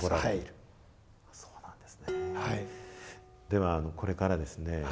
ではこれからですね